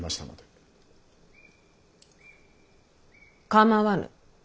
構わぬ。